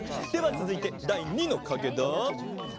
つづいてだい３のかげだ。